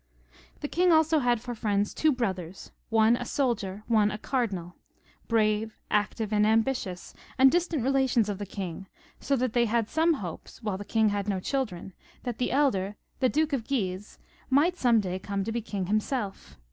The king also had for friends two brothers — one 1 < XXXVI.] HENRY II ,' 255 a soldier, one a cardinal, brave, active, and ambitious, and distant relations of the king, so that they had some hopes, while the king had no children, that the elder, the Duke of Guise, might some day come to be king himself.